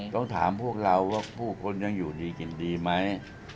ต้องถามพวกเราว่าผู้คนยังอยู่ดีกินดีไหม